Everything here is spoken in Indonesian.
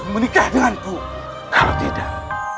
menikah denganku kalau tidak